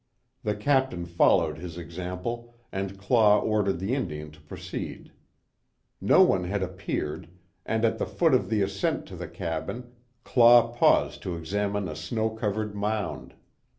The Captain followed his example, and Claw ordered the Indian to proceed. No one had appeared, and at the foot of the ascent to the cabin, Claw paused to examine a snow covered mound.